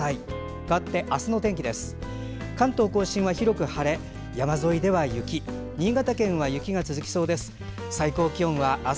かわって明日の天気です。